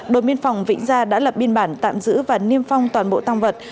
đội biên phòng vĩnh gia đã lập biên bản tạm giữ và niêm phong toàn bộ tăng vật